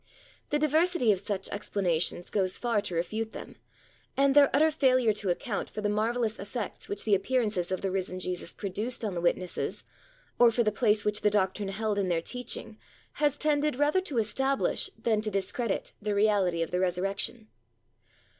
The diversity of such explanations goes far to refute them, and their utter failure to account for the marvellous effects which the appearances of the risen Jesus produced on the witnesses, or for the place which the doctrine held in their teaching, has tended rather to establish than to discredit the reality of the Resurrection.